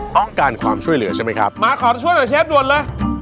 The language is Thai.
ต้องการความช่วยเหลือใช่ไหมครับมาขอช่วยเหลือเชฟด่วนเลย